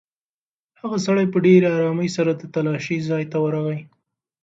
هغه سړی په ډېرې ارامۍ سره د تالاشۍ ځای ته ورغی.